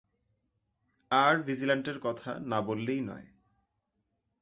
আর ভিজিলান্টের কথা না বললেই নয়।